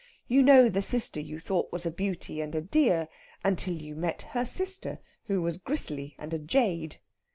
You know the sister you thought was a beauty and dear, until you met her sister, who was gristly and a jade.